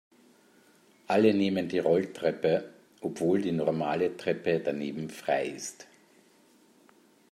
Alle nehmen die Rolltreppe, obwohl die normale Treppe daneben frei ist.